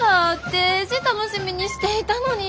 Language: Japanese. デージ楽しみにしていたのに。